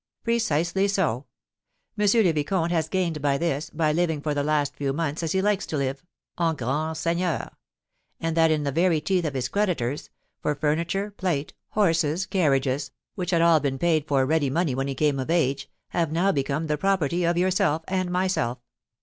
"Precisely so. M. le Vicomte has gained by this, by living for the last few months as he likes to live, en grand seigneur, and that in the very teeth of his creditors; for furniture, plate, horses, carriages, which had all been paid for ready money when he came of age, have now become the property of yourself and myself."